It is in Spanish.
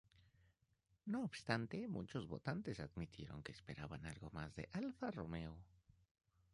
No obstante, muchos votantes admitieron que esperaban algo más de Alfa Romeo.